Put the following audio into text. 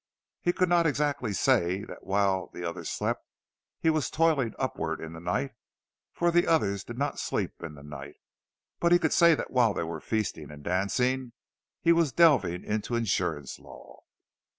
He could not exactly say that while the others slept he was toiling upward in the night, for the others did not sleep in the night; but he could say that while they were feasting and dancing, he was delving into insurance law.